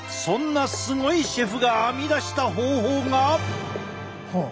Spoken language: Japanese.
そんなすごいシェフが編み出した方法が。